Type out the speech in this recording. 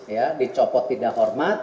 ya dicopot tidak hormat